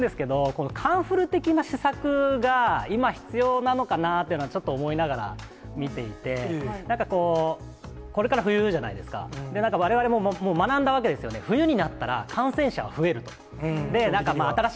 なんですかね、僕もちょっと似ているんですけど、カンフル的な施策が今必要なのかなというのは、ちょっと思いながら、見ていて、なんかこう、これから冬じゃないですか、われわれももう学んだわけですよね、冬になったら、感染者は増えると。